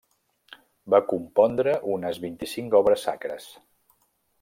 Va compondre unes vint-i-cinc obres sacres.